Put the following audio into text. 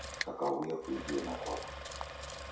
Kakaw'uya kuidie na kwapo.